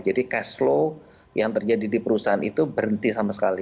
jadi cash flow yang terjadi di perusahaan itu berhenti sama sekali